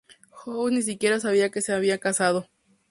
House ni siquiera sabía que se había casado.